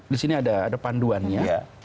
di sini ada panduannya